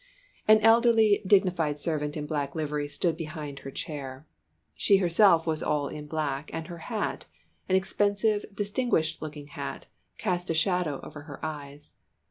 An elderly, dignified servant in black livery stood behind her chair. She herself was all in black, and her hat an expensive, distinguished looking hat cast a shadow over her eyes.